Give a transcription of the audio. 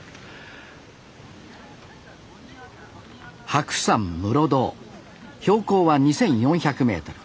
白山室堂標高は２，４００メートル。